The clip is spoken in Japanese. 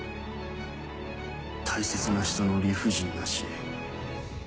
大切な人の理不尽な死。